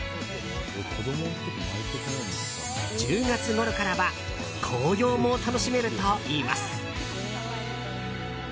１０月ごろからは紅葉も楽しめるといいます。